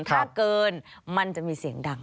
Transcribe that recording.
ถ้าเกินมันจะมีเสียงดัง